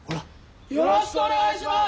よろしくお願いします！